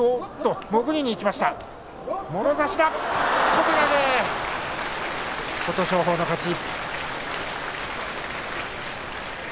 琴勝峰の勝ち。